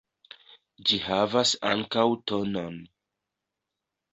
Ĝi havas ankaŭ tonon.